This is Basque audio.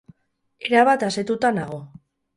Erabat asetuta nago.